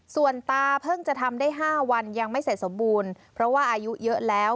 ส่วนตาเพิ่งจะทำได้๕วันยังไม่เสร็จสมบูรณ์เพราะว่าอายุเยอะแล้ว